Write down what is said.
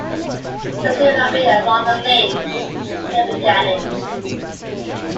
Pursuing her way along the lane, she then began it.